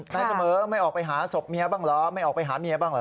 นายเสมอไม่ออกไปหาศพเมียบ้างเหรอไม่ออกไปหาเมียบ้างเหรอ